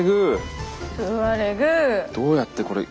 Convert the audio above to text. どうやってこれ。